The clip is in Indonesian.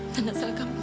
dan asalkan mau tahu